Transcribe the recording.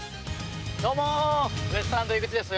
どうもウエストランド井口です。